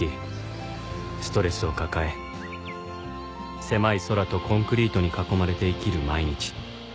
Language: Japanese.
ストレスを抱え狭い空とコンクリートに囲まれて生きる毎日